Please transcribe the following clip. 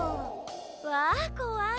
わこわい。